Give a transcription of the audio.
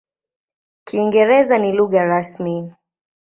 Kiingereza ni lugha rasmi.